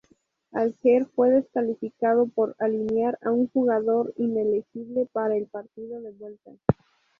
Alger fue descalificado por alinear a un jugador inelegible para el partido de vuelta.